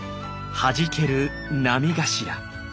はじける波頭。